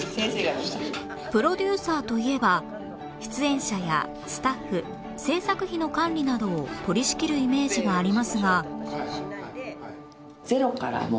プロデューサーといえば出演者やスタッフ制作費の管理などを取り仕切るイメージがありますが